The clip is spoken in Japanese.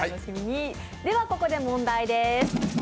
ではここで問題です。